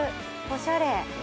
おしゃれ！